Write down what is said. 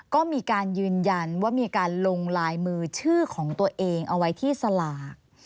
ก็มีการยืนยันว่ามีการลงลายมือชื่อของตัวเองเอาไว้ที่สลาก